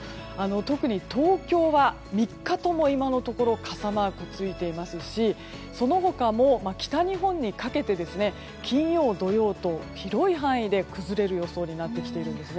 特に東京は３日とも、今のところ傘マークがついていますしその他も北日本にかけて金曜、土曜と広い範囲で崩れる予想になってきているんです。